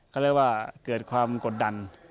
เขาเรียกว่าเกิดความกดดัน